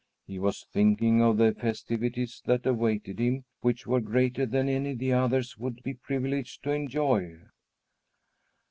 He was thinking of the festivities that awaited him, which were greater than any the others would be privileged to enjoy.